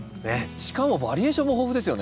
しかもバリエーションも豊富ですよね。